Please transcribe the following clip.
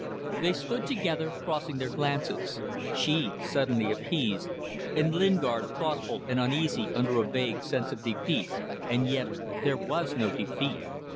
They stood together, crossing their glances; she suddenly appeased, and Lingard thoughtful and uneasy under a vague sense of defeat. And yet there was no defeat.